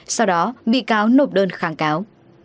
sau đó bị cáo nộp đơn kháng cáo